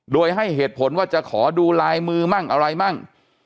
โดยให้เหตุผลว่าจะขอดูลายมือมั่งอะไรมั่ง